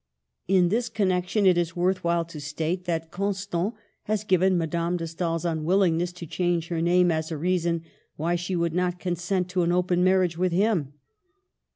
In this connection it is worth while to state that Constant has given Madame de Stael's unwillingness to change her name as a reason why she would not consent to an open marriage with him.